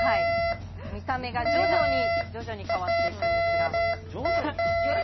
見た目が徐々に変わっていくんですが。